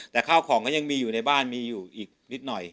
แต่ข้าวของก็ยังมีอยู่ในบ้านมีอยู่อีกนิดหน่อย